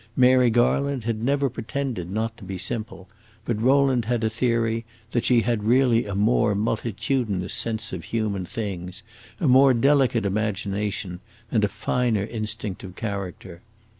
Mary Garland had never pretended not to be simple; but Rowland had a theory that she had really a more multitudinous sense of human things, a more delicate imagination, and a finer instinct of character.